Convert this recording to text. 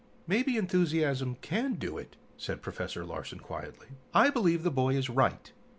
"Maybe enthusiasm can do it," said Professor Larsen quietly. "I believe the boy is right.